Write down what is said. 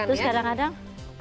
nah terus kadang kadang